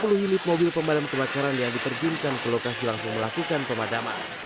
sepuluh unit mobil pemadam kebakaran yang diterjunkan ke lokasi langsung melakukan pemadaman